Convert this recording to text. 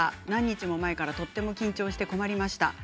何日も前からとても緊張して困りました。